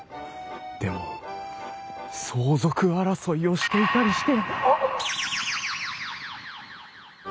でも相続争いをしていたりして！